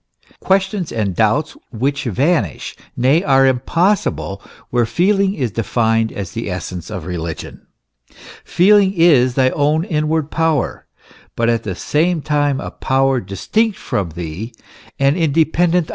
questions and doubts which vanish, nay, are impossible, where feeling is defined as the essence of religion. Feeling is thy own inward power, but at the same time a power distinct from thee, and independent THE ESSENTIAL NATURE OF MAN.